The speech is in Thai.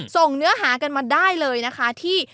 เนื้อหากันมาได้เลยนะคะที่